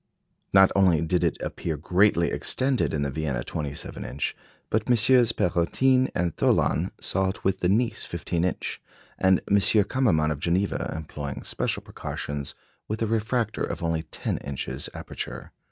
Not only did it appear greatly extended in the Vienna 27 inch, but MM. Perrotin and Thollon saw it with the Nice 15 inch, and M. Kammermann of Geneva, employing special precautions, with a refractor of only ten inches aperture.